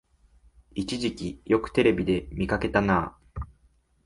一時期よくテレビで見かけたなあ